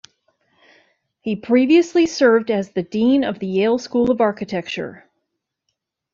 He previously served as the Dean of the Yale School of Architecture.